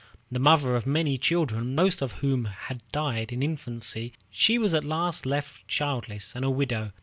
The mother of many children, most of whom had died in infancy, she was at last left childless and a widow.